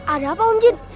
ada apa om jin